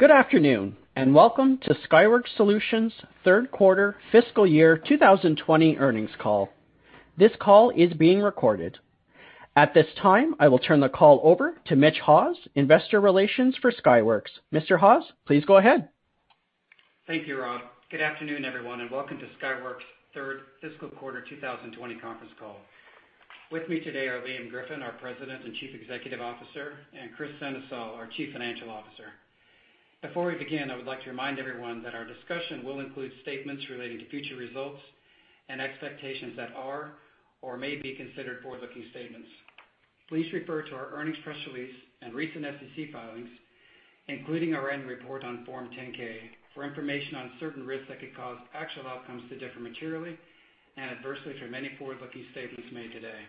Good afternoon, welcome to Skyworks Solutions' third quarter fiscal year 2020 earnings call. This call is being recorded. At this time, I will turn the call over to Mitch Haws, investor relations for Skyworks. Mr. Haws, please go ahead. Thank you, Rob. Good afternoon, everyone, and welcome to Skyworks' third fiscal quarter 2020 conference call. With me today are Liam Griffin, our President and Chief Executive Officer, and Kris Sennesael, our Chief Financial Officer. Before we begin, I would like to remind everyone that our discussion will include statements relating to future results and expectations that are or may be considered forward-looking statements. Please refer to our earnings press release and recent SEC filings, including our Annual Report on Form 10-K, for information on certain risks that could cause actual outcomes to differ materially and adversely from any forward-looking statements made today.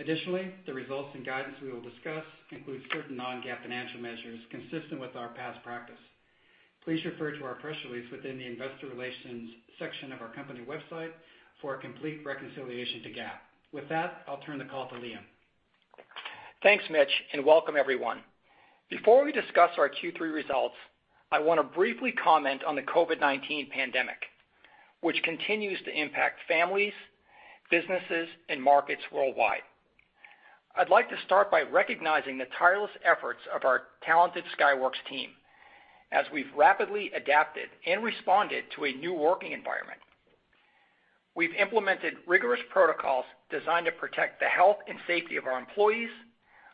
Additionally, the results and guidance we will discuss include certain non-GAAP financial measures consistent with our past practice. Please refer to our press release within the Investor Relations section of our company website for a complete reconciliation to GAAP. With that, I'll turn the call to Liam. Thanks, Mitch, and welcome everyone. Before we discuss our Q3 results, I want to briefly comment on the COVID-19 pandemic, which continues to impact families, businesses, and markets worldwide. I'd like to start by recognizing the tireless efforts of our talented Skyworks team as we've rapidly adapted and responded to a new working environment. We've implemented rigorous protocols designed to protect the health and safety of our employees,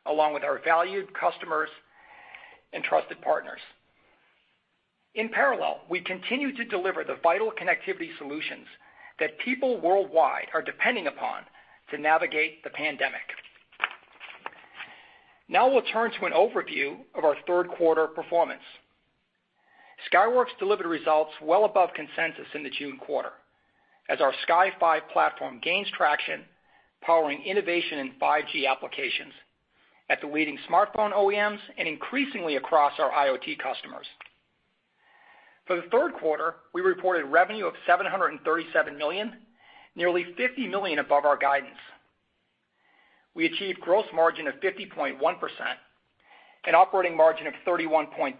along with our valued customers and trusted partners. In parallel, we continue to deliver the vital connectivity solutions that people worldwide are depending upon to navigate the pandemic. Now we'll turn to an overview of our third quarter performance. Skyworks delivered results well above consensus in the June quarter as our Sky5 platform gains traction, powering innovation in 5G applications at the leading smartphone OEMs and increasingly across our IoT customers. For the third quarter, we reported revenue of $737 million, nearly $50 million above our guidance. We achieved gross margin of 50.1% and operating margin of 31.3%.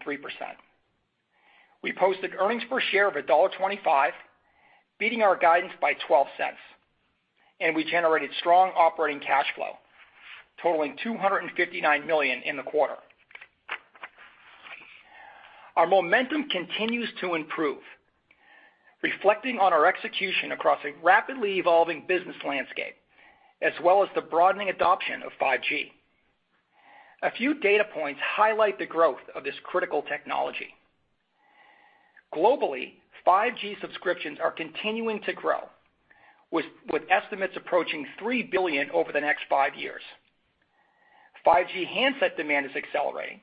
We posted earnings per share of $1.25, beating our guidance by $0.12, and we generated strong operating cash flow totaling $259 million in the quarter. Our momentum continues to improve, reflecting on our execution across a rapidly evolving business landscape, as well as the broadening adoption of 5G. A few data points highlight the growth of this critical technology. Globally, 5G subscriptions are continuing to grow, with estimates approaching 3 billion over the next five years. 5G handset demand is accelerating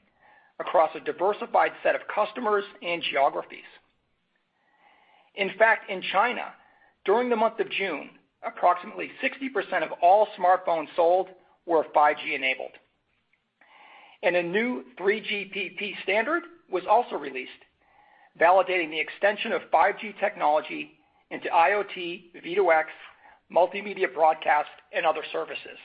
across a diversified set of customers and geographies. In fact, in China, during the month of June, approximately 60% of all smartphones sold were 5G enabled. A new 3GPP standard was also released, validating the extension of 5G technology into IoT, V2X, multimedia broadcast, and other services.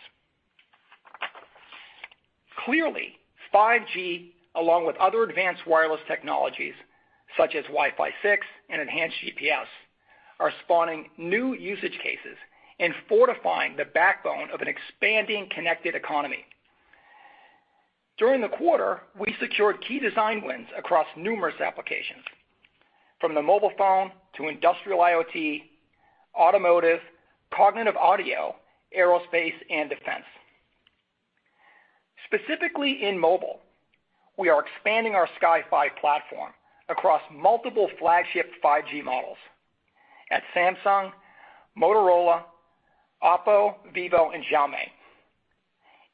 Clearly, 5G, along with other advanced wireless technologies such as Wi-Fi 6 and enhanced GPS, are spawning new usage cases and fortifying the backbone of an expanding connected economy. During the quarter, we secured key design wins across numerous applications, from the mobile phone to industrial IoT, automotive, cognitive audio, aerospace, and defense. Specifically in mobile, we are expanding our Sky5 platform across multiple flagship 5G models at Samsung, Motorola, OPPO, vivo, and Xiaomi.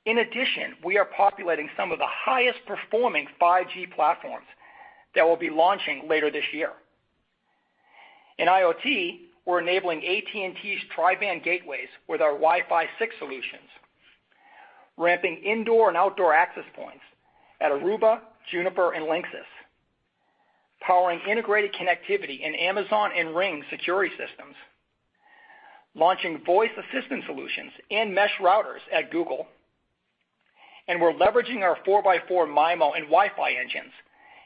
In addition, we are populating some of the highest performing 5G platforms that will be launching later this year. In IoT, we're enabling AT&T's tri-band gateways with our Wi-Fi 6 solutions, ramping indoor and outdoor access points at Aruba, Juniper, and Linksys, powering integrated connectivity in Amazon and Ring security systems, launching voice assistant solutions and mesh routers at Google, we're leveraging our 4x4 MIMO and Wi-Fi engines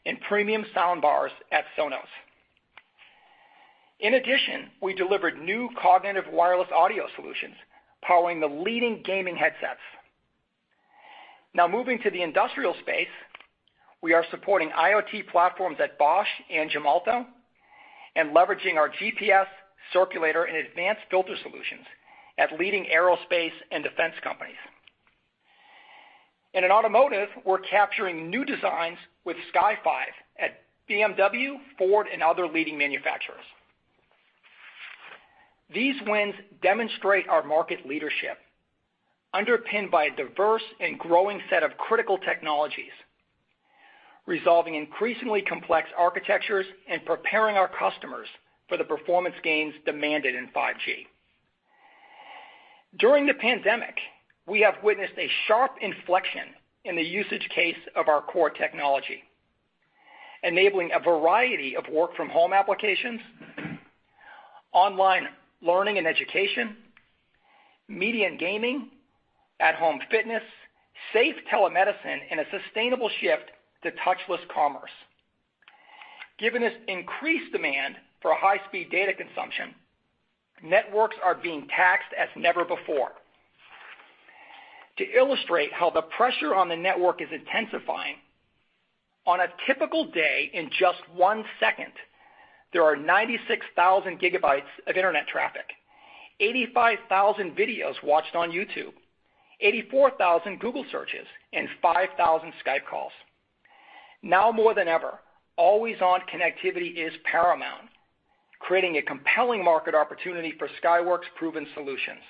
in premium sound bars at Sonos. In addition, we delivered new cognitive wireless audio solutions powering the leading gaming headsets. Now moving to the industrial space, we are supporting IoT platforms at Bosch and Gemalto, leveraging our GPS circulator and advanced filter solutions at leading aerospace and defense companies. In automotive, we're capturing new designs with Sky5 at BMW, Ford, and other leading manufacturers. These wins demonstrate our market leadership, underpinned by a diverse and growing set of critical technologies, resolving increasingly complex architectures and preparing our customers for the performance gains demanded in 5G. During the pandemic, we have witnessed a sharp inflection in the usage case of our core technology. Enabling a variety of work from home applications, online learning and education, media and gaming, at home fitness, safe telemedicine, and a sustainable shift to touchless commerce. Given this increased demand for high-speed data consumption, networks are being taxed as never before. To illustrate how the pressure on the network is intensifying, on a typical day, in just one second, there are 96,000 GB of internet traffic, 85,000 videos watched on YouTube, 84,000 Google searches, and 5,000 Skype calls. Now more than ever, always-on connectivity is paramount, creating a compelling market opportunity for Skyworks' proven solutions.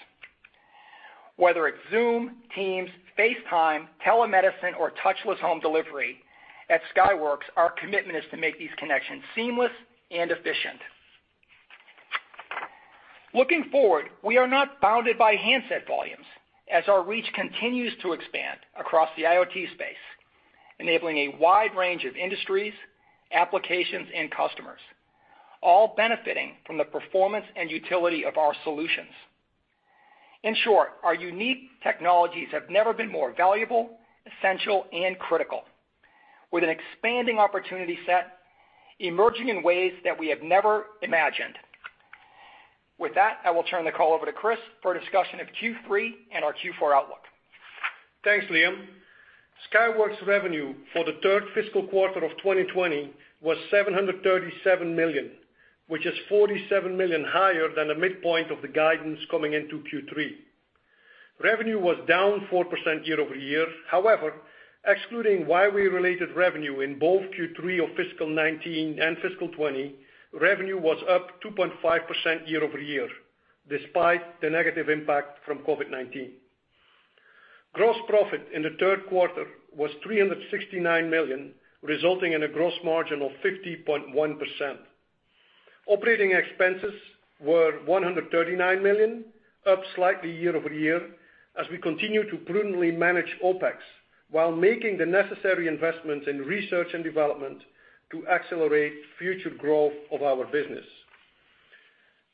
Whether it's Zoom, Teams, FaceTime, telemedicine, or touchless home delivery, at Skyworks, our commitment is to make these connections seamless and efficient. Looking forward, we are not bounded by handset volumes as our reach continues to expand across the IoT space, enabling a wide range of industries, applications, and customers, all benefiting from the performance and utility of our solutions. In short, our unique technologies have never been more valuable, essential, and critical, with an expanding opportunity set emerging in ways that we have never imagined. With that, I will turn the call over to Kris for a discussion of Q3 and our Q4 outlook. Thanks, Liam. Skyworks revenue for the third fiscal quarter of 2020 was $737 million, which is $47 million higher than the midpoint of the guidance coming into Q3. Revenue was down 4% year-over-year. Excluding Huawei-related revenue in both Q3 of fiscal 2019 and fiscal 2020, revenue was up 2.5% year-over-year, despite the negative impact from COVID-19. Gross profit in the third quarter was $369 million, resulting in a gross margin of 50.1%. Operating expenses were $139 million, up slightly year-over-year as we continue to prudently manage OpEx while making the necessary investments in research and development to accelerate future growth of our business.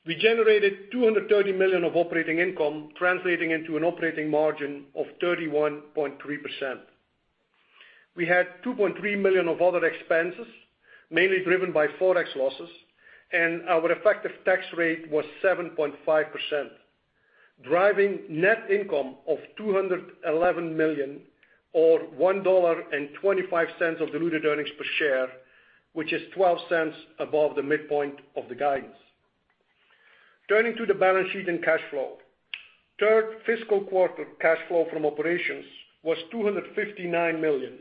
We generated $230 million of operating income, translating into an operating margin of 31.3%. We had $2.3 million of other expenses, mainly driven by forex losses, and our effective tax rate was 7.5%, driving net income of $211 million or $1.25 of diluted earnings per share, which is $0.12 above the midpoint of the guidance. Turning to the balance sheet and cash flow. Third fiscal quarter cash flow from operations was $259 million.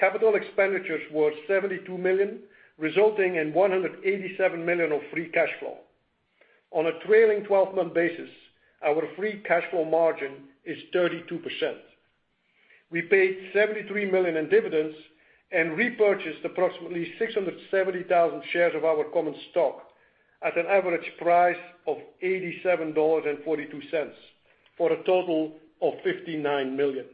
Capital expenditures were $72 million, resulting in $187 million of free cash flow. On a trailing 12-month basis, our free cash flow margin is 32%. We paid $73 million in dividends and repurchased approximately 670,000 shares of our common stock at an average price of $87.42 for a total of $59 million.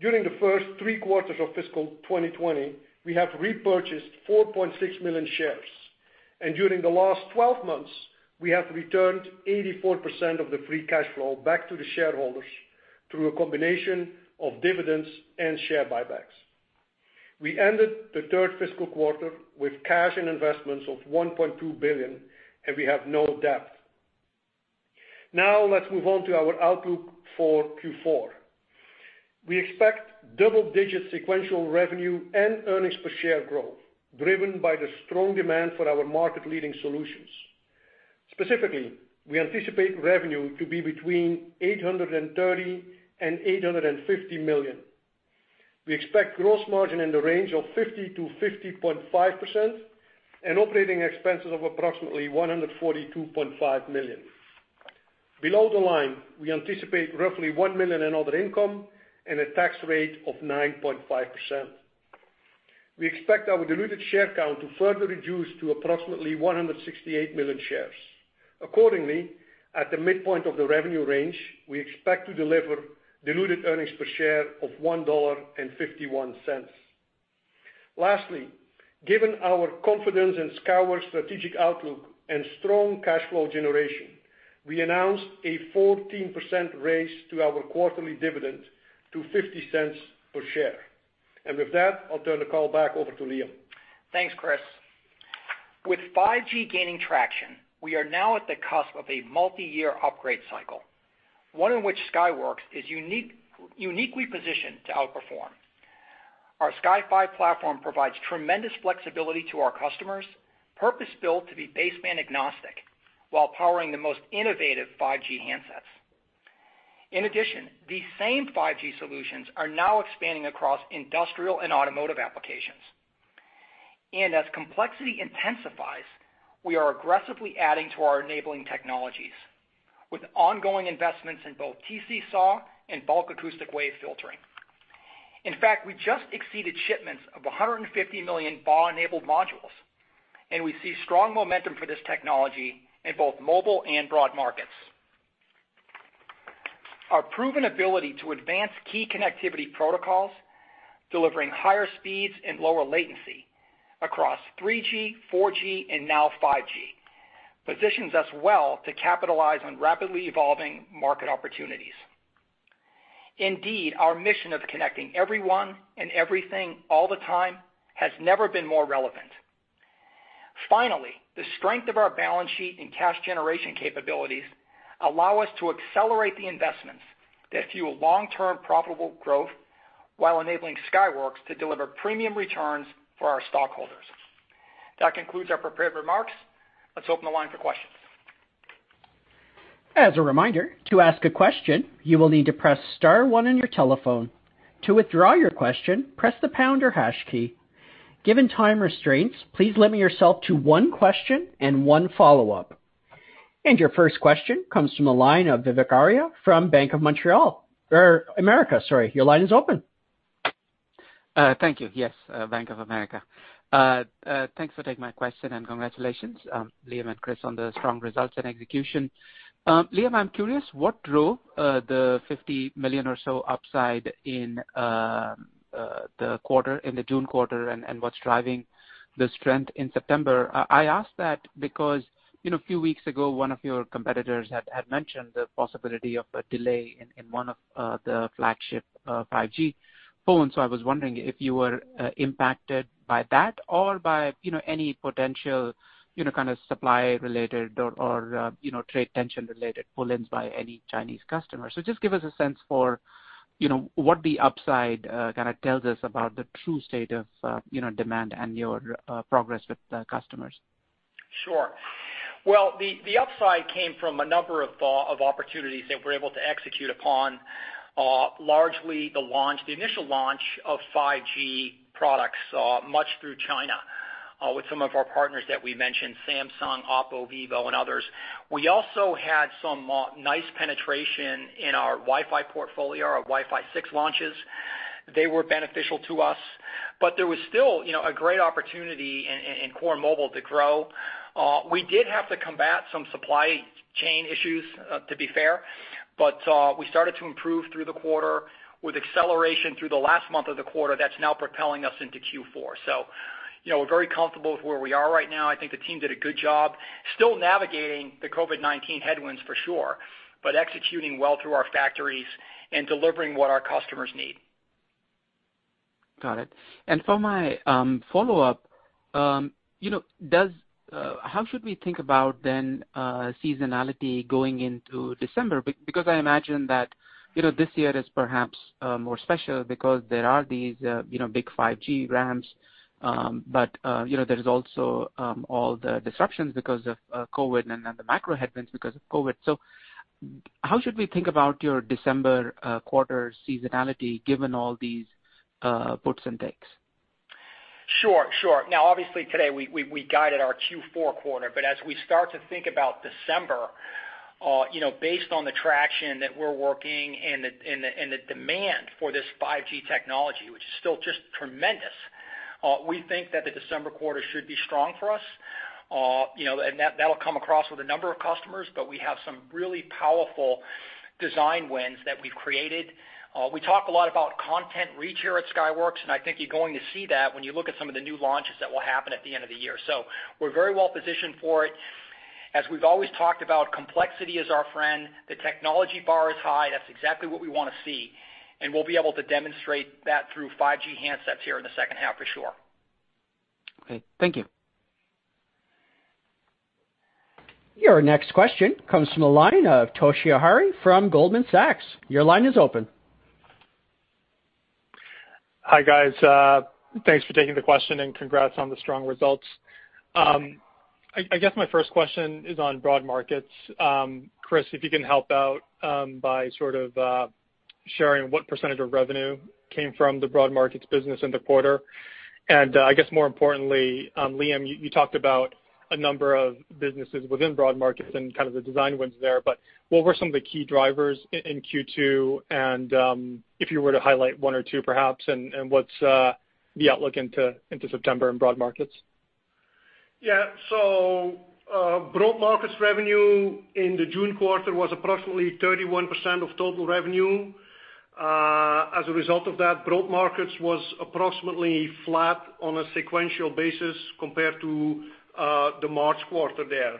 During the first three quarters of fiscal 2020, we have repurchased 4.6 million shares, and during the last 12 months, we have returned 84% of the free cash flow back to the shareholders through a combination of dividends and share buybacks. We ended the third fiscal quarter with cash and investments of $1.2 billion, and we have no debt. Let's move on to our outlook for Q4. We expect double-digit sequential revenue and earnings per share growth, driven by the strong demand for our market-leading solutions. Specifically, we anticipate revenue to be between $830 million and $850 million. We expect gross margin in the range of 50%-50.5% and operating expenses of approximately $142.5 million. Below the line, we anticipate roughly $1 million in other income and a tax rate of 9.5%. We expect our diluted share count to further reduce to approximately 168 million shares. Accordingly, at the midpoint of the revenue range, we expect to deliver diluted earnings per share of $1.51. Lastly, given our confidence in Skyworks' strategic outlook and strong cash flow generation, we announced a 14% raise to our quarterly dividend to $0.50 per share. With that, I'll turn the call back over to Liam. Thanks, Kris. With 5G gaining traction, we are now at the cusp of a multi-year upgrade cycle, one in which Skyworks is uniquely positioned to outperform. Our Sky5 platform provides tremendous flexibility to our customers, purpose-built to be baseband agnostic while powering the most innovative 5G handsets. In addition, these same 5G solutions are now expanding across industrial and automotive applications. As complexity intensifies, we are aggressively adding to our enabling technologies with ongoing investments in both TC-SAW and bulk acoustic wave filtering. In fact, we just exceeded shipments of 150 million BAW-enabled modules, and we see strong momentum for this technology in both mobile and broad markets. Our proven ability to advance key connectivity protocols, delivering higher speeds and lower latency across 3G, 4G, and now 5G, positions us well to capitalize on rapidly evolving market opportunities. Indeed, our mission of connecting everyone and everything all the time has never been more relevant. The strength of our balance sheet and cash generation capabilities allow us to accelerate the investments that fuel long-term profitable growth while enabling Skyworks to deliver premium returns for our stockholders. That concludes our prepared remarks. Let's open the line for questions. As a reminder, to ask a question, you will need to press star one on your telephone. To withdraw your question, press the pound or hash key. Given time restraints, please limit yourself to one question and one follow-up. Your first question comes from the line of Vivek Arya from Bank of Montreal—America, sorry. Your line is open. Thank you. Yes, Bank of America. Thanks for taking my question and congratulations, Liam and Kris, on the strong results and execution. Liam, I'm curious what drove the $50 million or so upside in the June quarter and what's driving the strength in September? I ask that because a few weeks ago, one of your competitors had mentioned the possibility of a delay in one of the flagship 5G phones. I was wondering if you were impacted by that or by any potential kind of supply related or trade tension related pull-ins by any Chinese customers. Just give us a sense for what the upside kind of tells us about the true state of demand and your progress with the customers. Sure. Well, the upside came from a number of opportunities that we're able to execute upon, largely the initial launch of 5G products, much through China, with some of our partners that we mentioned, Samsung, OPPO, vivo and others. We also had some nice penetration in our Wi-Fi portfolio, our Wi-Fi 6 launches. They were beneficial to us, but there was still a great opportunity in core mobile to grow. We did have to combat some supply chain issues, to be fair, but we started to improve through the quarter with acceleration through the last month of the quarter that's now propelling us into Q4. We're very comfortable with where we are right now. I think the team did a good job still navigating the COVID-19 headwinds for sure, but executing well through our factories and delivering what our customers need. Got it. For my follow-up, how should we think about then seasonality going into December? I imagine that this year is perhaps more special because there are these big 5G ramps, but there's also all the disruptions because of COVID and then the macro headwinds because of COVID. How should we think about your December quarter seasonality given all these puts and takes? Sure, sure. Obviously today we guided our Q4 quarter, but as we start to think about December, based on the traction that we're working and the demand for this 5G technology, which is still just tremendous, we think that the December quarter should be strong for us. That'll come across with a number of customers, but we have some really powerful design wins that we've created. We talk a lot about content reach here at Skyworks, and I think you're going to see that when you look at some of the new launches that will happen at the end of the year. We're very well positioned for it. As we've always talked about, complexity is our friend. The technology bar is high. That's exactly what we want to see, and we'll be able to demonstrate that through 5G handsets here in the second half for sure. Okay. Thank you. Your next question comes from the line of Toshiya Hari from Goldman Sachs. Your line is open. Hi, guys. Thanks for taking the question. Congrats on the strong results. I guess my first question is on broad markets. Kris, if you can help out by sort of sharing what percentage of revenue came from the broad markets business in the quarter. I guess more importantly, Liam, you talked about a number of businesses within broad markets and kind of the design wins there, but what were some of the key drivers in Q2? And if you were to highlight one or two perhaps, and what's the outlook into September in broad markets? Yeah. Broad markets revenue in the June quarter was approximately 31% of total revenue. As a result of that, broad markets was approximately flat on a sequential basis compared to the March quarter there.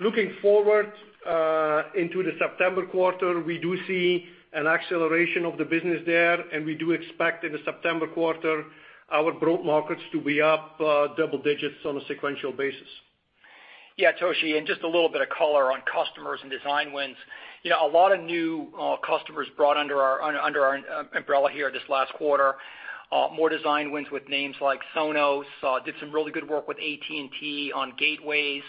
Looking forward into the September quarter, we do see an acceleration of the business there, and we do expect in the September quarter our broad markets to be up double digits on a sequential basis. Yeah, Toshi, just a little bit of color on customers and design wins. A lot of new customers brought under our umbrella here this last quarter. More design wins with names like Sonos, did some really good work with AT&T on gateways,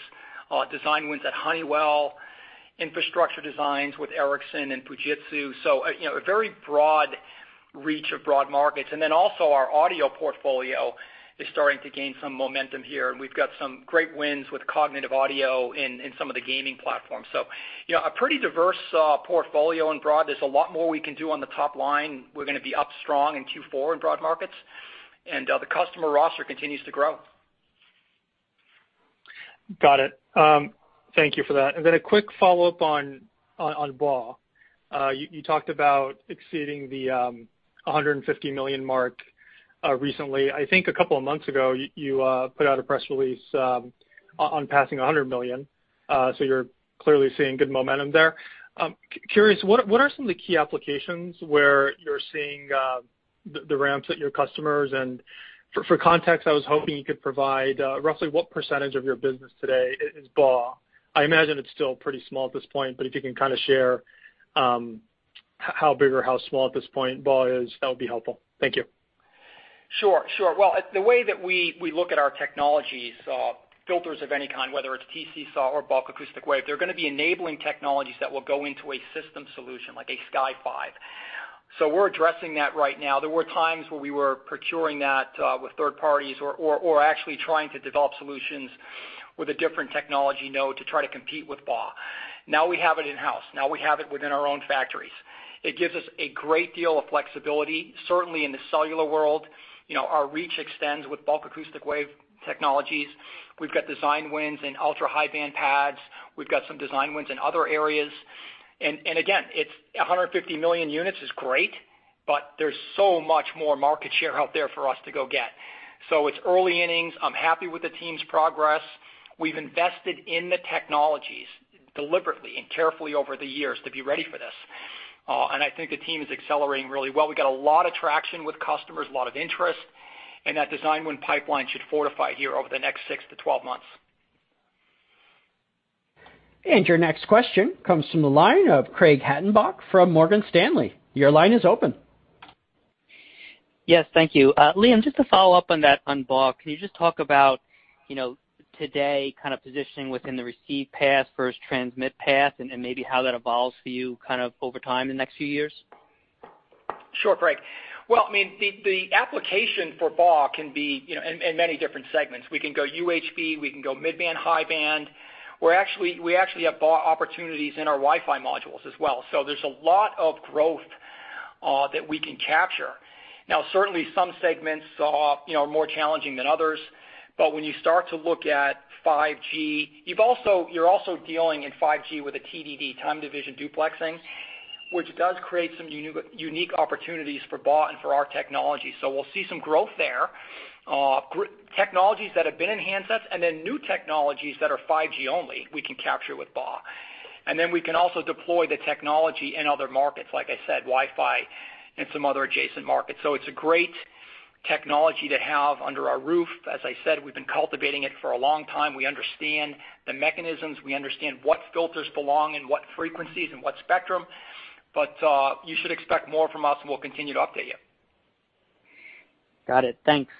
design wins at Honeywell, infrastructure designs with Ericsson and Fujitsu. A very broad reach of broad markets. Also, our audio portfolio is starting to gain some momentum here, and we've got some great wins with cognitive audio in some of the gaming platforms. A pretty diverse portfolio in broad. There's a lot more we can do on the top line. We're going to be up strong in Q4 in broad markets, and the customer roster continues to grow. Got it. Thank you for that. A quick follow-up on BAW. You talked about exceeding the $150 million mark recently. I think a couple of months ago, you put out a press release on passing $100 million, you're clearly seeing good momentum there. Curious, what are some of the key applications where you're seeing the ramps at your customers? For context, I was hoping you could provide roughly what percentage of your business today is BAW. I imagine it's still pretty small at this point, if you can kind of share how big or how small at this point BAW is, that would be helpful. Thank you. Sure. Well, the way that we look at our technologies, filters of any kind, whether it's TC-SAW or bulk acoustic wave, they're going to be enabling technologies that will go into a system solution, like a Sky5. We're addressing that right now. There were times where we were procuring that with third parties or actually trying to develop solutions with a different technology node to try to compete with BAW. Now we have it in-house. Now we have it within our own factories. It gives us a great deal of flexibility, certainly in the cellular world. Our reach extends with bulk acoustic wave technologies. We've got design wins in ultra-high band pads. We've got some design wins in other areas. Again, 150 million units is great, there's so much more market share out there for us to go get. It's early innings. I'm happy with the team's progress. We've invested in the technologies deliberately and carefully over the years to be ready for this. I think the team is accelerating really well. We've got a lot of traction with customers, a lot of interest, and that design win pipeline should fortify here over the next 6-12 months. Your next question comes from the line of Craig Hettenbach from Morgan Stanley. Your line is open. Yes, thank you. Liam, just to follow up on that, on BAW, can you just talk about today kind of positioning within the receive path versus transmit path and maybe how that evolves for you kind of over time in the next few years? Sure, Craig. Well, the application for BAW can be in many different segments. We can go UHB, we can go mid-band, high band. We actually have BAW opportunities in our Wi-Fi modules as well. There's a lot of growth that we can capture. Now, certainly some segments are more challenging than others, but when you start to look at 5G, you're also dealing in 5G with a TDD, time division duplexing, which does create some unique opportunities for BAW and for our technology. We'll see some growth there. Technologies that have been in handsets and then new technologies that are 5G only, we can capture with BAW. We can also deploy the technology in other markets, like I said, Wi-Fi and some other adjacent markets. It's a great technology to have under our roof. As I said, we've been cultivating it for a long time. We understand the mechanisms. We understand what filters belong in what frequencies and what spectrum. You should expect more from us, and we'll continue to update you. Got it. Thanks.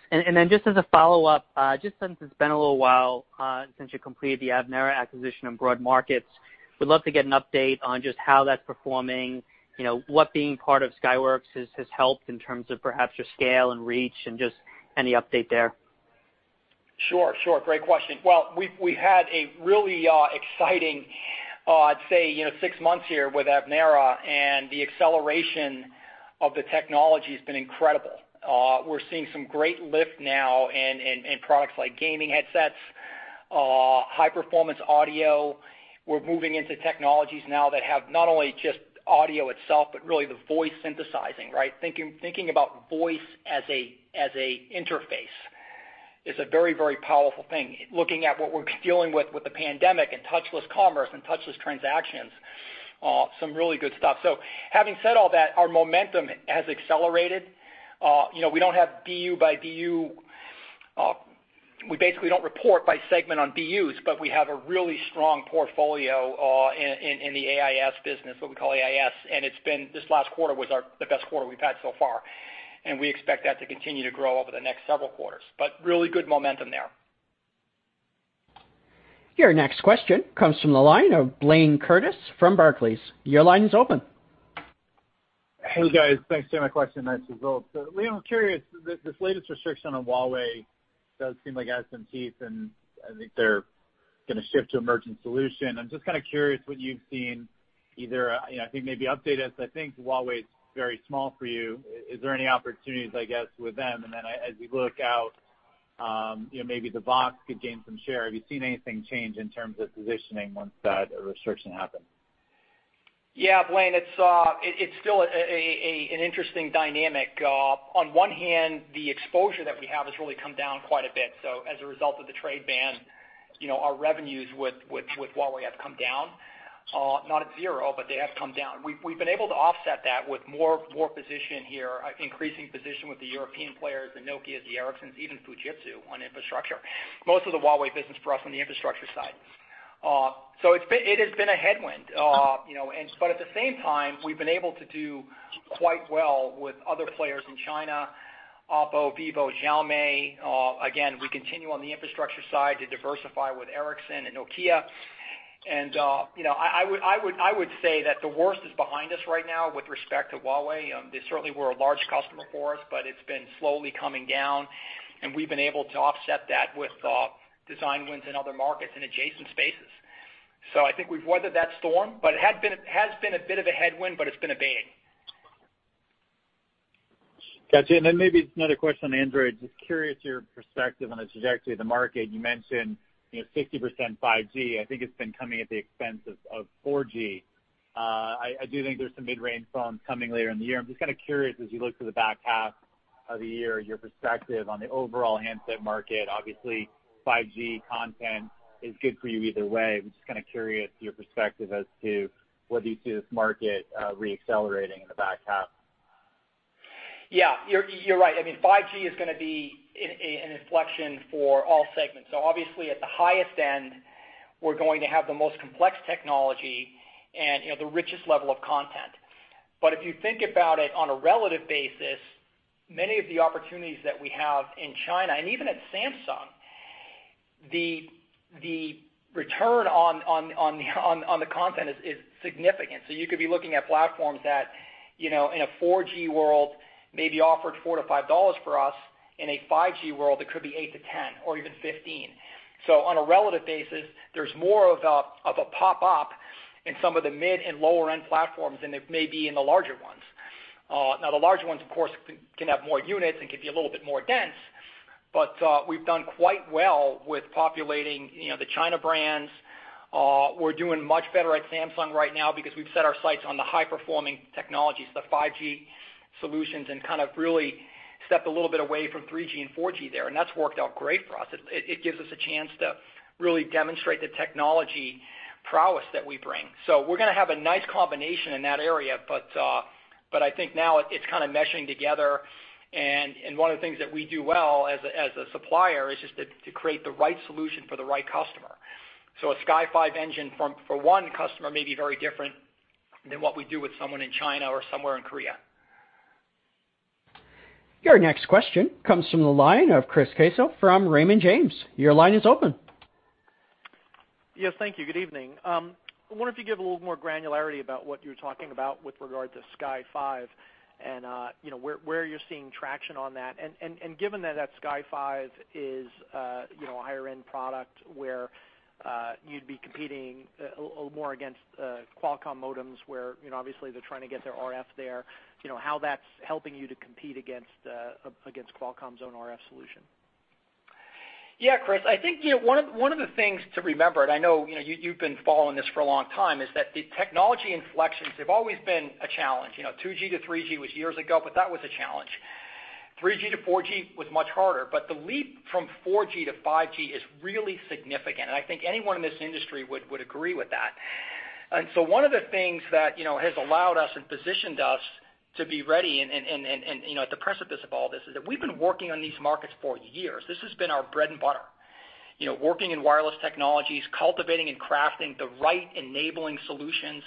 Just as a follow-up, just since it's been a little while since you completed the Avnera acquisition and broad markets, would love to get an update on just how that's performing, what being part of Skyworks has helped in terms of perhaps your scale and reach, and just any update there. Sure, sure. Great question. Well, we've had a really exciting, I'd say, six months here with Avnera, and the acceleration of the technology has been incredible. We're seeing some great lift now in products like gaming headsets, high-performance audio. We're moving into technologies now that have not only just audio itself, but really the voice synthesizing. Thinking about voice as an interface is a very, very powerful thing. Looking at what we're dealing with the pandemic and touchless commerce and touchless transactions, some really good stuff. Having said all that, our momentum has accelerated. We don't have BU by BU. We basically don't report by segment on BUs, but we have a really strong portfolio in the AIS business, what we call AIS, and this last quarter was the best quarter we've had so far. We expect that to continue to grow over the next several quarters, but really good momentum there. Your next question comes from the line of Blayne Curtis from Barclays. Your line is open. Hey, guys. Thanks for taking my question. Nice results. Liam, I'm curious, this latest restriction on Huawei does seem like it has some teeth. I think they're going to shift to a merchant solution. I'm just kind of curious what you've seen. I think maybe update us. I think Huawei is very small for you. Is there any opportunities, I guess, with them? As you look out, maybe Avago could gain some share. Have you seen anything change in terms of positioning once that restriction happened? Yeah, Blayne, it's still an interesting dynamic. On one hand, the exposure that we have has really come down quite a bit. As a result of the trade ban, our revenues with Huawei have come down. Not at zero, they have come down. We've been able to offset that with more position here, increasing position with the European players, the Nokias, the Ericssons, even Fujitsu on infrastructure, most of the Huawei business for us on the infrastructure side. It has been a headwind. At the same time, we've been able to do quite well with other players in China, OPPO, vivo, Xiaomi. Again, we continue on the infrastructure side to diversify with Ericsson and Nokia. I would say that the worst is behind us right now with respect to Huawei. They certainly were a large customer for us, but it's been slowly coming down, and we've been able to offset that with design wins in other markets and adjacent spaces. I think we've weathered that storm, but it has been a bit of a headwind, but it's been abating. Got you. Maybe just another question on Android. Just curious your perspective on the trajectory of the market. You mentioned 60% 5G. I think it's been coming at the expense of 4G. I do think there's some mid-range phones coming later in the year. I'm just kind of curious, as you look to the back half of the year, your perspective on the overall handset market. Obviously, 5G content is good for you either way. I'm just kind of curious your perspective as to whether you see this market re-accelerating in the back half. Yeah, you're right. I mean, 5G is going to be an inflection for all segments. Obviously at the highest end, we're going to have the most complex technology and the richest level of content. If you think about it on a relative basis, many of the opportunities that we have in China, and even at Samsung, the return on the content is significant. You could be looking at platforms that, in a 4G world, maybe offered $4-$5 for us, in a 5G world, it could be $8-$10, or even $15. On a relative basis, there's more of a pop-up in some of the mid and lower-end platforms than there may be in the larger ones. The larger ones, of course, can have more units and can be a little bit more dense. We've done quite well with populating the China brands. We're doing much better at Samsung right now because we've set our sights on the high-performing technologies, the 5G solutions, and kind of really stepped a little bit away from 3G and 4G there, and that's worked out great for us. It gives us a chance to really demonstrate the technology prowess that we bring. We're going to have a nice combination in that area, but I think now it's kind of meshing together. One of the things that we do well as a supplier is just to create the right solution for the right customer. A Sky5 engine for one customer may be very different than what we do with someone in China or somewhere in Korea. Your next question comes from the line of Chris Caso from Raymond James. Your line is open. Yes, thank you. Good evening. I wonder if you could give a little more granularity about what you were talking about with regard to Sky5 and where you're seeing traction on that. Given that Sky5 is a higher-end product where you'd be competing more against Qualcomm modems where, obviously, they're trying to get their RF there, how that's helping you to compete against Qualcomm's own RF solution. Chris, I think one of the things to remember, and I know you've been following this for a long time, is that the technology inflections have always been a challenge. 2G to 3G was years ago. That was a challenge. 3G to 4G was much harder. The leap from 4G to 5G is really significant, and I think anyone in this industry would agree with that. One of the things that has allowed us and positioned us to be ready and at the precipice of all this, is that we've been working on these markets for years. This has been our bread and butter. Working in wireless technologies, cultivating and crafting the right enabling solutions,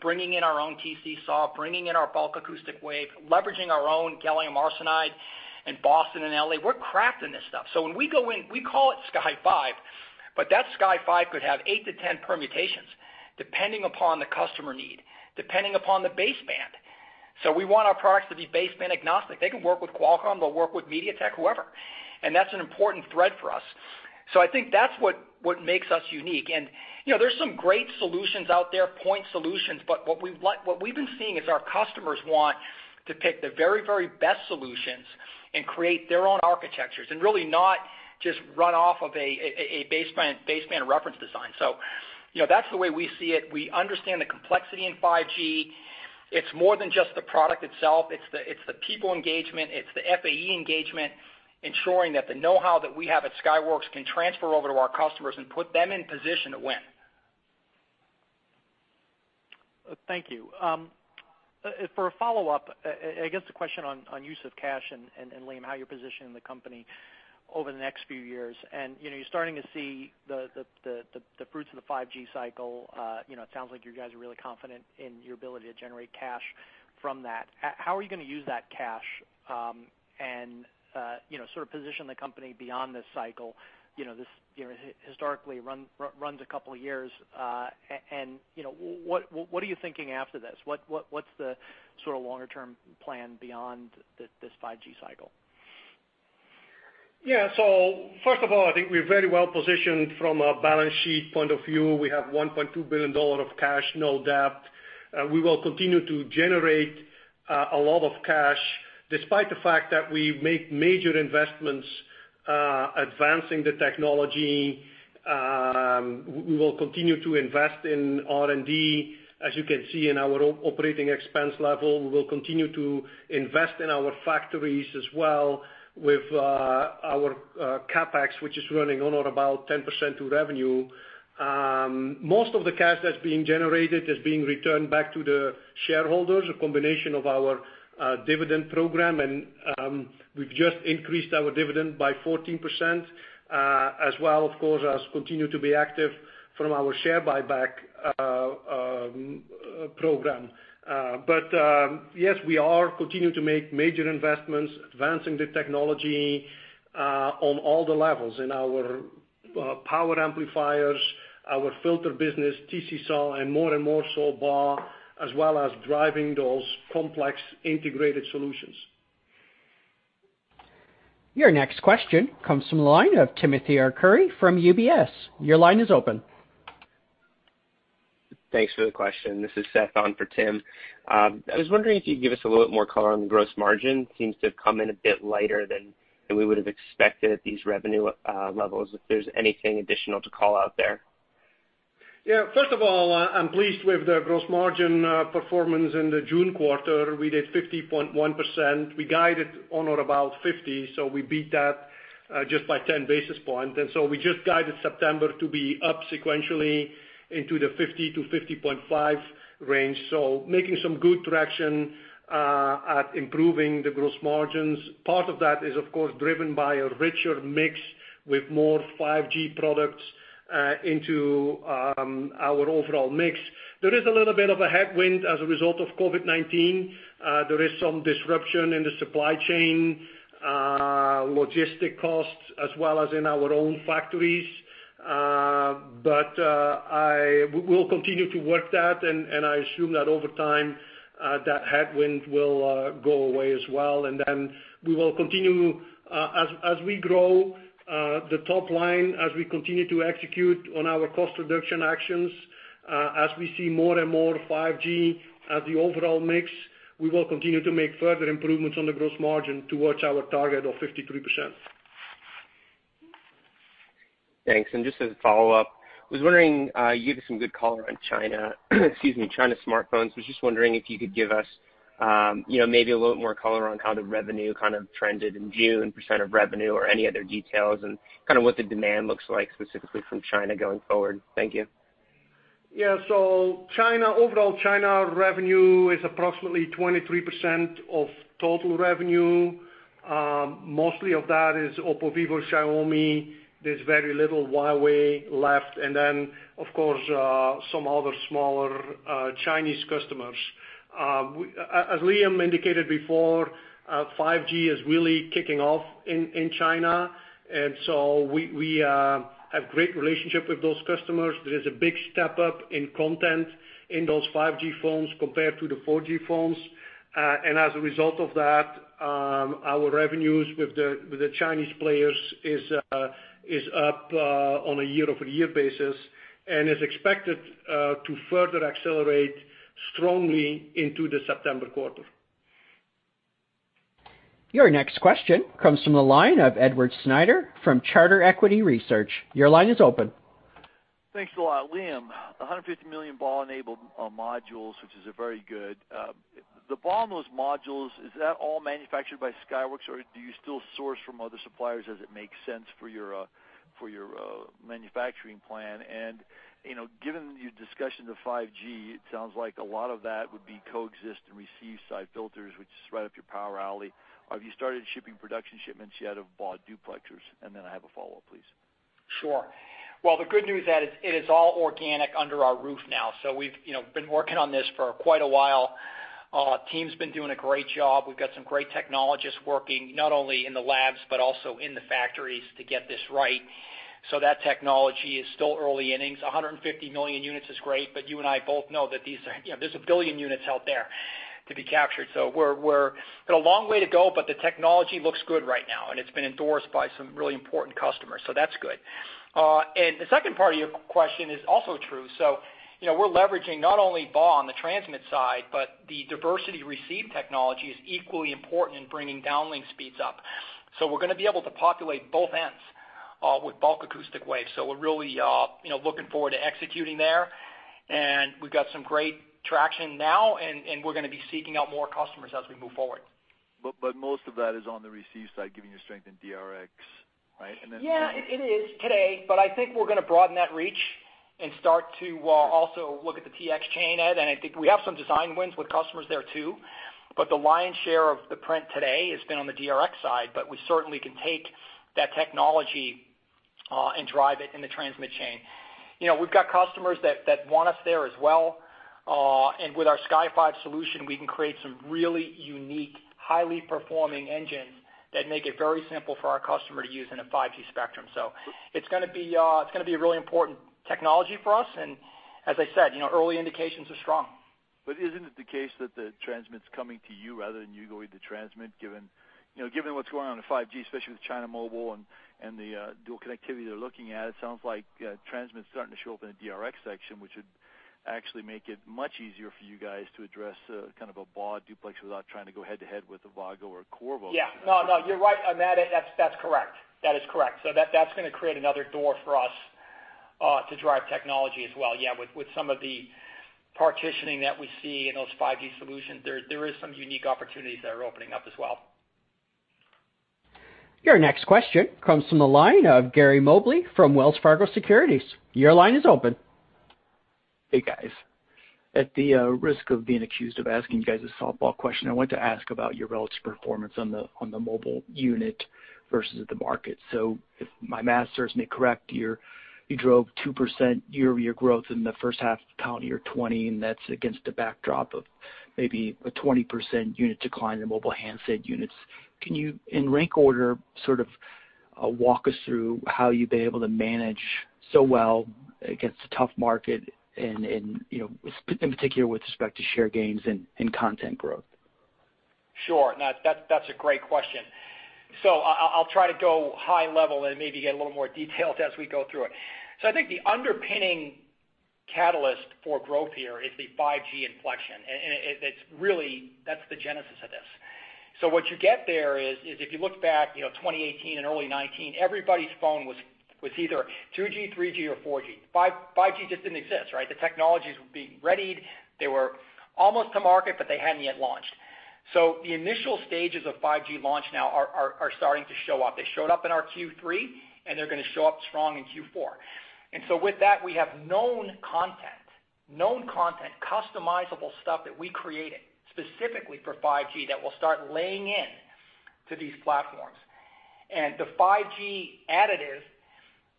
bringing in our own TC-SAW, bringing in our bulk acoustic wave, leveraging our own gallium arsenide in Boston and L.A. We're crafting this stuff. When we go in, we call it Sky5, but that Sky5 could have 8-10 permutations depending upon the customer need, depending upon the baseband. We want our products to be baseband-agnostic. They can work with Qualcomm, they'll work with MediaTek, whoever. That's an important thread for us. I think that's what makes us unique. There's some great solutions out there, point solutions, but what we've been seeing is our customers want to pick the very, very best solutions and create their own architectures and really not just run off of a baseband reference design. That's the way we see it. We understand the complexity in 5G. It's more than just the product itself. It's the people engagement, it's the FAE engagement, ensuring that the knowhow that we have at Skyworks can transfer over to our customers and put them in position to win. Thank you. For a follow-up, I guess the question on use of cash and, Liam, how you're positioning the company over the next few years, and you're starting to see the fruits of the 5G cycle. It sounds like you guys are really confident in your ability to generate cash from that. How are you going to use that cash, and sort of position the company beyond this cycle? This historically runs a couple of years, and what are you thinking after this? What's the sort of longer-term plan beyond this 5G cycle? First of all, I think we're very well-positioned from a balance sheet point of view. We have $1.2 billion of cash, no debt. We will continue to generate a lot of cash despite the fact that we make major investments advancing the technology. We will continue to invest in R&D, as you can see in our operating expense level. We will continue to invest in our factories as well with our CapEx, which is running on or about 10% to revenue. Most of the cash that's being generated is being returned back to the shareholders, a combination of our dividend program, and we've just increased our dividend by 14%, as well, of course, as continue to be active from our share buyback program. Yes, we are continuing to make major investments, advancing the technology on all the levels in our power amplifiers, our filter business, TC-SAW, and more and more so BAW, as well as driving those complex integrated solutions. Your next question comes from the line of Timothy Arcuri from UBS. Your line is open. Thanks for the question. This is Seth on for Tim. I was wondering if you could give us a little bit more color on gross margin. Seems to have come in a bit lighter than we would've expected at these revenue levels, if there's anything additional to call out there. Yeah. First of all, I'm pleased with the gross margin performance in the June quarter. We did 50.1%. We guided on or about 50%, we beat that just by 10 basis points. We just guided September to be up sequentially into the 50%-50.5% range. Making some good traction at improving the gross margins. Part of that is, of course, driven by a richer mix with more 5G products into our overall mix. There is a little bit of a headwind as a result of COVID-19. There is some disruption in the supply chain, logistic costs, as well as in our own factories. We'll continue to work that, and I assume that over time, that headwind will go away as well, and then we will continue as we grow the top line, as we continue to execute on our cost reduction actions, as we see more and more 5G as the overall mix, we will continue to make further improvements on the gross margin towards our target of 53%. Thanks. Just as a follow-up, I was wondering, you had some good color on China smartphones. Was just wondering if you could give us maybe a little more color on how the revenue kind of trended in June, percent of revenue or any other details, and kind of what the demand looks like specifically from China going forward. Thank you. Overall China revenue is approximately 23% of total revenue. Mostly of that is OPPO, vivo, Xiaomi. There is very little Huawei left. Of course, some other smaller Chinese customers. As Liam indicated before, 5G is really kicking off in China, we have great relationship with those customers. There is a big step-up in content in those 5G phones compared to the 4G phones. As a result of that, our revenues with the Chinese players is up on a year-over-year basis and is expected to further accelerate strongly into the September quarter. Your next question comes from the line of Edward Snyder from Charter Equity Research. Your line is open. Thanks a lot. Liam, 150 million BAW-enabled modules, which is very good. The BAW on those modules, is that all manufactured by Skyworks? Or do you still source from other suppliers as it makes sense for your manufacturing plan? Given your discussion of 5G, it sounds like a lot of that would be coexist and receive side filters, which is right up your power alley. Have you started shipping production shipments yet of BAW duplexers? I have a follow-up, please. Sure. The good news is that it is all organic under our roof now. We've been working on this for quite a while. Team's been doing a great job. We've got some great technologists working, not only in the labs, but also in the factories to get this right. That technology is still early innings. 150 million units is great, but you and I both know that there's a billion units out there to be captured. We've got a long way to go, but the technology looks good right now, and it's been endorsed by some really important customers, so that's good. The second part of your question is also true. We're leveraging not only BAW on the transmit side, but the diversity receive technology is equally important in bringing downlink speeds up. We're gonna be able to populate both ends with bulk acoustic waves. We're really looking forward to executing there, and we've got some great traction now, and we're gonna be seeking out more customers as we move forward. Most of that is on the receive side, giving you strength in DRx, right? Yeah, it is today, but I think we're gonna broaden that reach and start to also look at the TX chain, Ed. I think we have some design wins with customers there, too. The lion's share of the print today has been on the DRx side, but we certainly can take that technology and drive it in the transmit chain. We've got customers that want us there as well. With our Sky5 solution, we can create some really unique, highly performing engines that make it very simple for our customer to use in a 5G spectrum. It's gonna be a really important technology for us, and as I said, early indications are strong. Isn't it the case that the transmit's coming to you rather than you going to transmit? Given what's going on in 5G, especially with China Mobile and the dual connectivity they're looking at, it sounds like transmit's starting to show up in the DRx section, which would actually make it much easier for you guys to address kind of a BAW duplex without trying to go head-to-head with a Avago or a Qorvo? No, you're right, Ed. That's correct. That is correct. That's gonna create another door for us to drive technology as well. With some of the partitioning that we see in those 5G solutions, there is some unique opportunities that are opening up as well. Your next question comes from the line of Gary Mobley from Wells Fargo Securities. Your line is open. Hey, guys. At the risk of being accused of asking you guys a softball question, I wanted to ask about your relative performance on the mobile unit versus the market. If my math serves me correct, you drove 2% year-over-year growth in the first half of calendar year 2020, and that's against a backdrop of maybe a 20% unit decline in mobile handset units. Can you, in rank order, sort of walk us through how you've been able to manage so well against a tough market and in particular with respect to share gains and content growth? Sure. That's a great question. I'll try to go high level and maybe get a little more detailed as we go through it. I think the underpinning catalyst for growth here is the 5G inflection, and that's the genesis of this. What you get there is, if you look back, 2018 and early 2019, everybody's phone was either 2G, 3G, or 4G. 5G just didn't exist, right? The technologies were being readied. They were almost to market, but they hadn't yet launched. The initial stages of 5G launch now are starting to show up. They showed up in our Q3, and they're going to show up strong in Q4. With that, we have known content, customizable stuff that we created specifically for 5G that will start laying in to these platforms. The 5G additive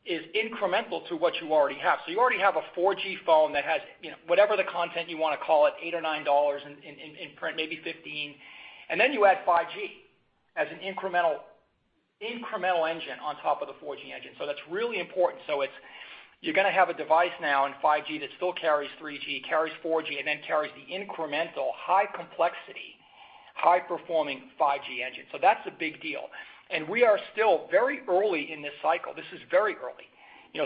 is incremental to what you already have. You already have a 4G phone that has whatever the content you want to call it, $8 or $9 in print, maybe $15, and then you add 5G as an incremental engine on top of the 4G engine. That's really important. You're going to have a device now in 5G that still carries 3G, carries 4G, and then carries the incremental high complexity, high-performing 5G engine. That's a big deal, and we are still very early in this cycle. This is very early.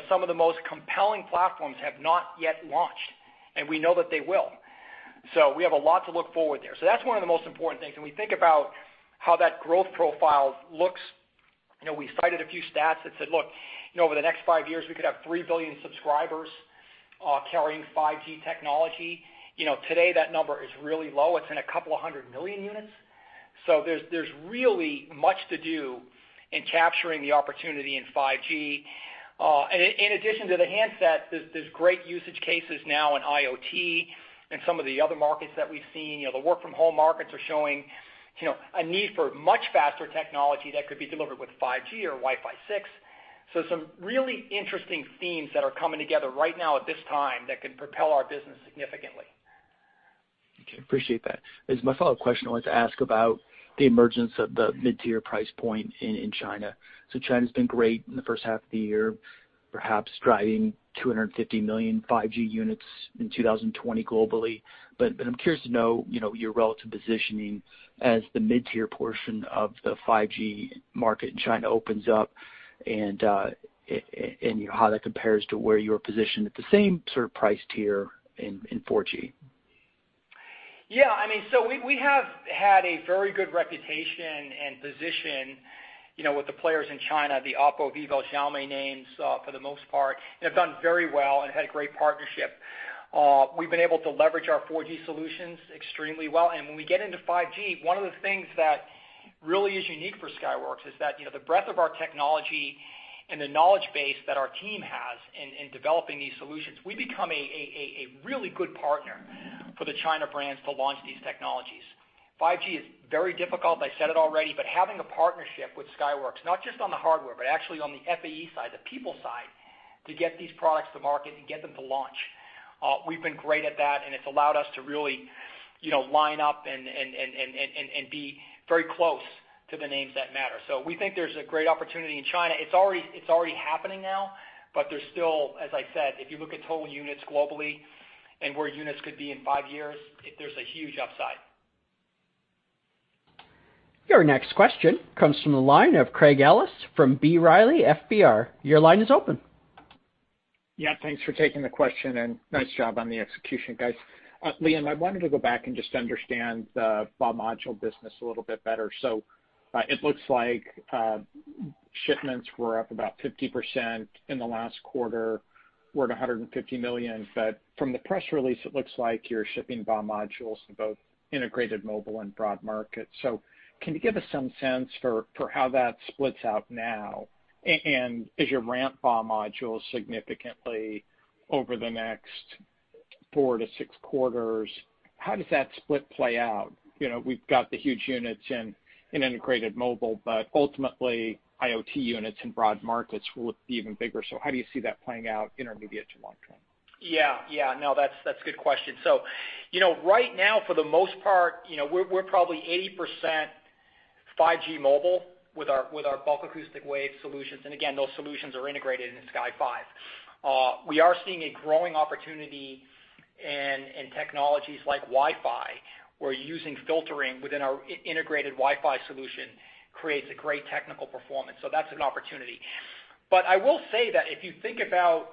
Some of the most compelling platforms have not yet launched, and we know that they will. We have a lot to look forward there. That's one of the most important things, and we think about how that growth profile looks. We cited a few stats that said, look, over the next five years, we could have 3 billion subscribers carrying 5G technology. Today, that number is really low. It's in a couple of hundred million units. There's really much to do in capturing the opportunity in 5G. In addition to the handsets, there's great usage cases now in IoT and some of the other markets that we've seen. The work-from-home markets are showing a need for much faster technology that could be delivered with 5G or Wi-Fi 6. Some really interesting themes that are coming together right now at this time that can propel our business significantly. Okay, appreciate that. As my follow-up question, I wanted to ask about the emergence of the mid-tier price point in China. China has been great in the first half of the year, perhaps driving 250 million 5G units in 2020 globally. I'm curious to know your relative positioning as the mid-tier portion of the 5G market in China opens up and how that compares to where you're positioned at the same sort of price tier in 4G. Yeah. We have had a very good reputation and position with the players in China, the OPPO, vivo, Xiaomi names for the most part, and have done very well and had a great partnership. We've been able to leverage our 4G solutions extremely well, and when we get into 5G, one of the things that really is unique for Skyworks is that the breadth of our technology and the knowledge base that our team has in developing these solutions, we become a really good partner for the China brands to launch these technologies. 5G is very difficult. I said it already, but having a partnership with Skyworks, not just on the hardware, but actually on the FAE side, the people side, to get these products to market and get them to launch. We've been great at that, and it's allowed us to really line up and be very close to the names that matter. We think there's a great opportunity in China. It's already happening now, but there's still, as I said, if you look at total units globally and where units could be in five years, there's a huge upside. Your next question comes from the line of Craig Ellis from B. Riley FBR. Your line is open. Thanks for taking the question and nice job on the execution, guys. Liam, I wanted to go back and just understand the BAW module business a little bit better. It looks like shipments were up about 50% in the last quarter. We're at 150 million, from the press release, it looks like you're shipping BAW modules to both integrated mobile and broad market. Can you give us some sense for how that splits out now? As you ramp BAW modules significantly over the next four to six quarters, how does that split play out? We've got the huge units in integrated mobile, ultimately IoT units and broad markets will look even bigger. How do you see that playing out intermediate to long-term? That's a good question. Right now, for the most part, we're probably 80% 5G mobile with our bulk acoustic wave solutions, and again, those solutions are integrated into Sky5. We are seeing a growing opportunity in technologies like Wi-Fi, where using filtering within our integrated Wi-Fi solution creates a great technical performance. That's an opportunity. I will say that if you think about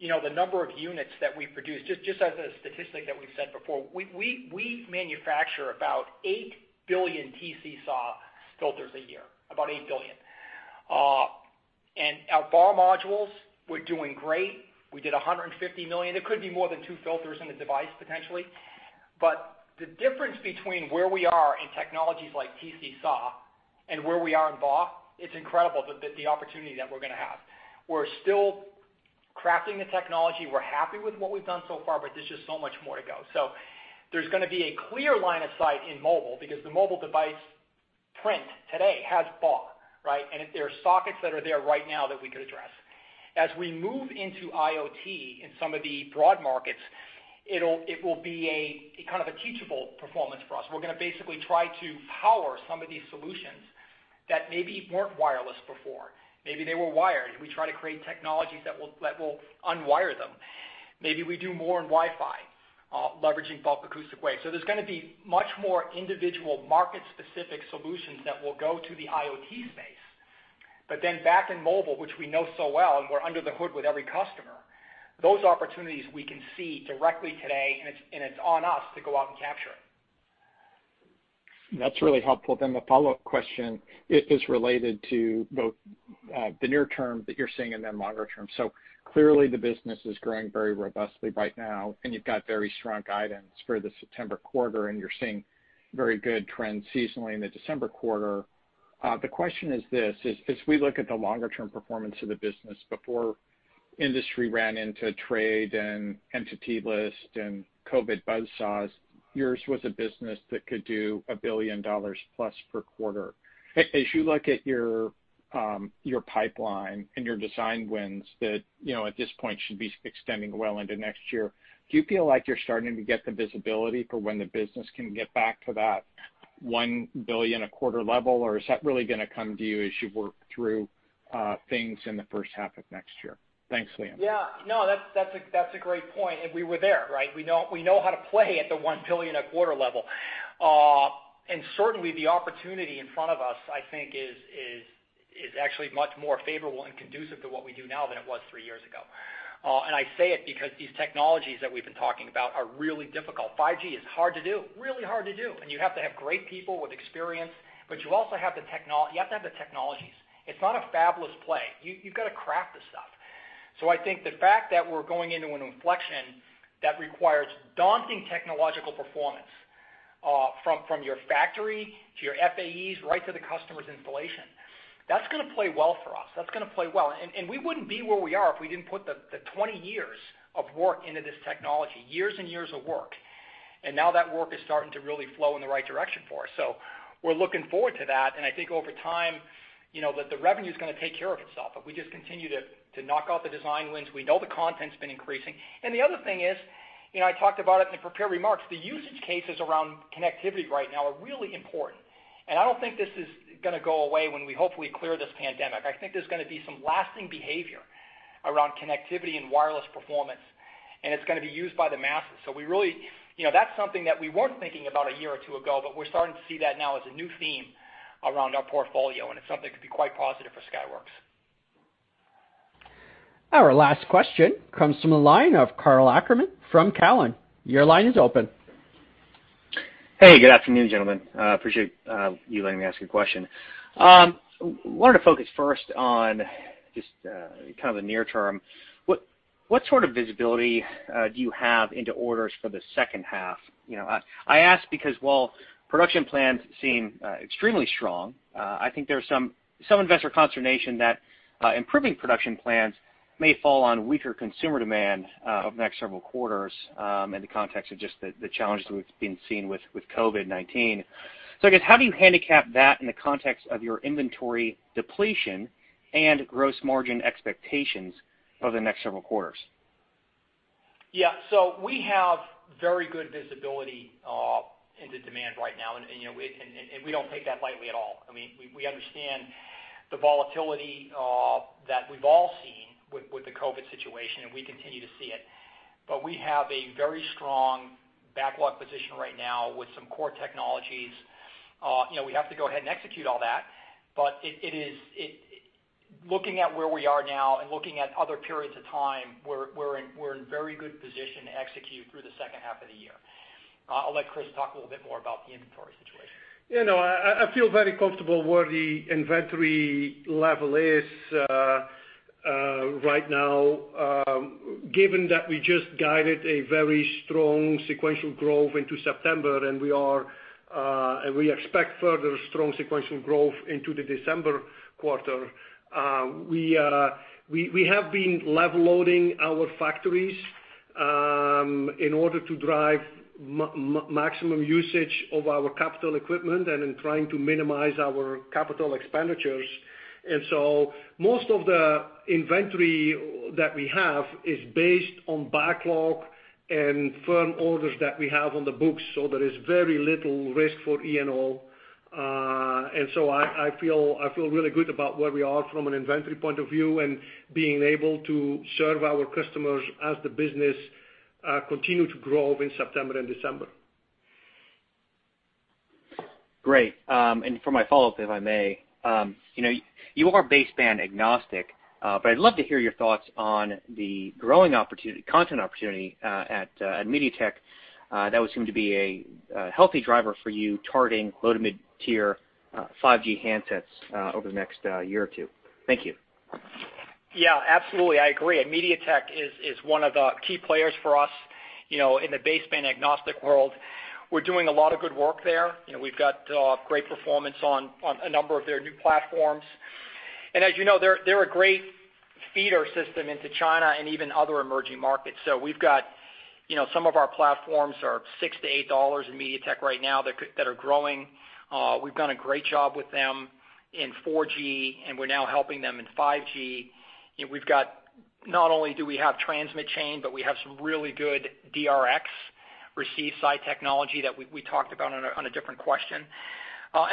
the number of units that we produce, just as a statistic that we've said before, we manufacture about 8 billion TC-SAW filters a year, about 8 billion. Our BAW modules, we're doing great. We did 150 million. There could be more than two filters in a device, potentially. The difference between where we are in technologies like TC-SAW and where we are in BAW, it's incredible the opportunity that we're going to have. We're still crafting the technology. We're happy with what we've done so far, but there's just so much more to go. There's going to be a clear line of sight in mobile because the mobile device print today has BAW, right? There are sockets that are there right now that we could address. As we move into IoT in some of the broad markets, it will be a kind of a teachable performance for us. We're going to basically try to power some of these solutions that maybe weren't wireless before. Maybe they were wired. We try to create technologies that will unwire them. Maybe we do more in Wi-Fi, leveraging bulk acoustic waves. There's going to be much more individual market-specific solutions that will go to the IoT space. Back in mobile, which we know so well, and we're under the hood with every customer, those opportunities we can see directly today, and it's on us to go out and capture it. That's really helpful. The follow-up question is related to both the near term that you're seeing and then longer term. Clearly the business is growing very robustly right now, and you've got very strong guidance for the September quarter, and you're seeing very good trends seasonally in the December quarter. The question is this, as we look at the longer term performance of the business before industry ran into trade and Entity List and COVID buzzsaws, yours was a business that could do $1+ billion per quarter. As you look at your pipeline and your design wins that, at this point, should be extending well into next year, do you feel like you're starting to get the visibility for when the business can get back to that $1 billion a quarter level? Is that really going to come to you as you work through things in the first half of next year? Thanks, Liam. Yeah. No, that's a great point. We were there, right? We know how to play at the $1 billion a quarter level. Certainly, the opportunity in front of us, I think is actually much more favorable and conducive to what we do now than it was three years ago. I say it because these technologies that we've been talking about are really difficult. 5G is hard to do, really hard to do. You have to have great people with experience, but you have to have the technologies. It's not a fabless play. You've got to craft this stuff. I think the fact that we're going into an inflection that requires daunting technological performance, from your factory to your FAEs, right to the customer's installation, that's going to play well for us. That's going to play well. We wouldn't be where we are if we didn't put the 20 years of work into this technology, years and years of work. Now that work is starting to really flow in the right direction for us. We're looking forward to that. I think over time, the revenue's going to take care of itself if we just continue to knock out the design wins. We know the content's been increasing. The other thing is, I talked about it in the prepared remarks, the usage cases around connectivity right now are really important. I don't think this is going to go away when we hopefully clear this pandemic. I think there's going to be some lasting behavior around connectivity and wireless performance, and it's going to be used by the masses. That's something that we weren't thinking about a year or two ago, but we're starting to see that now as a new theme around our portfolio, and it's something that could be quite positive for Skyworks. Our last question comes from the line of Karl Ackerman from Cowen. Your line is open. Hey, good afternoon, gentlemen. I appreciate you letting me ask a question. Wanted to focus first on just kind of the near term. What sort of visibility do you have into orders for the second half? I ask because while production plans seem extremely strong, I think there's some investor consternation that improving production plans may fall on weaker consumer demand over the next several quarters in the context of just the challenges we've been seeing with COVID-19. I guess, how do you handicap that in the context of your inventory depletion and gross margin expectations for the next several quarters? We have very good visibility into demand right now, and we don't take that lightly at all. We understand the volatility that we've all seen with the COVID-19 situation, and we continue to see it. We have a very strong backlog position right now with some core technologies. We have to go ahead and execute all that, looking at where we are now and looking at other periods of time, we're in very good position to execute through the second half of the year. I'll let Kris talk a little bit more about the inventory situation. I feel very comfortable where the inventory level is right now, given that we just guided a very strong sequential growth into September and we expect further strong sequential growth into the December quarter. We have been level loading our factories in order to drive maximum usage of our capital equipment and in trying to minimize our capital expenditures. Most of the inventory that we have is based on backlog and firm orders that we have on the books. There is very little risk for E&O. I feel really good about where we are from an inventory point of view and being able to serve our customers as the business continue to grow in September and December. Great. For my follow-up, if I may. You are baseband agnostic, but I'd love to hear your thoughts on the growing content opportunity at MediaTek. That would seem to be a healthy driver for you targeting low to mid-tier 5G handsets over the next year or two. Thank you. Yeah, absolutely. I agree. MediaTek is one of the key players for us in the baseband agnostic world. We're doing a lot of good work there. We've got great performance on a number of their new platforms. As you know, they're a great feeder system into China and even other emerging markets. We've got some of our platforms are $6 to $8 in MediaTek right now that are growing. We've done a great job with them in 4G, and we're now helping them in 5G. Not only do we have transmit chain, but we have some really good DRx receive-side technology that we talked about on a different question.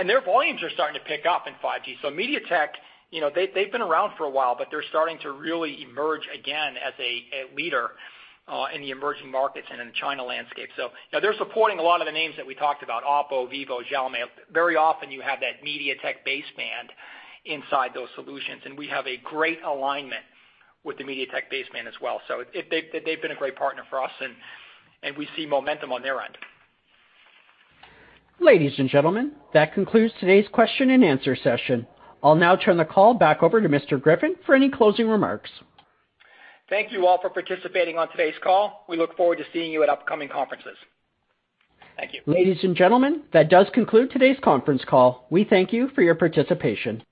Their volumes are starting to pick up in 5G. MediaTek, they've been around for a while, but they're starting to really emerge again as a leader in the emerging markets and in China landscape. They're supporting a lot of the names that we talked about, OPPO, vivo, Xiaomi. Very often you have that MediaTek baseband inside those solutions, and we have a great alignment with the MediaTek baseband as well. They've been a great partner for us, and we see momentum on their end. Ladies and gentlemen, that concludes today's question and answer session. I'll now turn the call back over to Mr. Griffin for any closing remarks. Thank you all for participating on today's call. We look forward to seeing you at upcoming conferences. Thank you. Ladies and gentlemen, that does conclude today's conference call. We thank you for your participation.